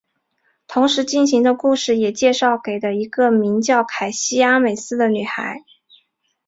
同时进行的故事也介绍的一位名叫凯西阿美斯的女孩。